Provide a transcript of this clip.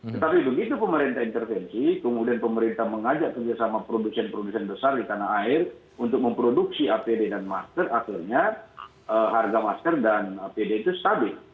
tetapi begitu pemerintah intervensi kemudian pemerintah mengajak kerjasama produsen produsen besar di tanah air untuk memproduksi apd dan masker akhirnya harga masker dan apd itu stabil